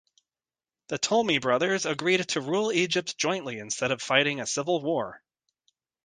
The Ptolemy brothers agreed to rule Egypt jointly instead of fighting a civil war.